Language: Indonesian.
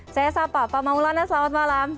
saya sapa pak maulana selamat malam